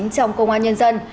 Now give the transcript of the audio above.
trong công an nhân dân